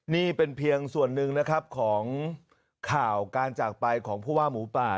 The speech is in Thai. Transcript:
นี่เป็นเพียงส่วนหนึ่งนะครับของข่าวการจากไปของผู้ว่าหมูป่า